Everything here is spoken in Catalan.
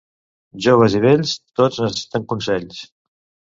Joves i vells, tots necessiten consells.